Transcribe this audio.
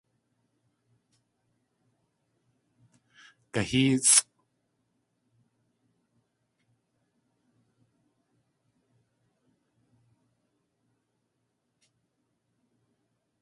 Gahéesʼ!